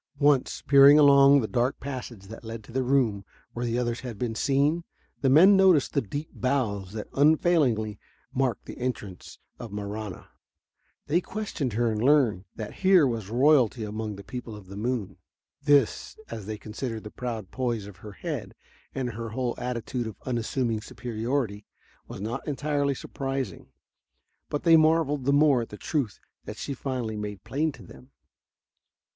Once, peering along the dark passage that led to the room where the others had been seen, the men noticed the deep bows that unfailingly marked the entrance of Marahna. They questioned her and learned that here was royalty among the people of the moon. This, as they considered the proud poise of her head and her whole attitude of unassuming superiority was not entirely surprising. But they marveled the more at the truth that she finally made plain to them.